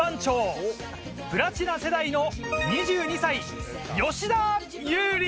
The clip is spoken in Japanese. プラチナ世代の２２歳吉田優利。